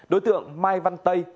đối tượng mai văn tây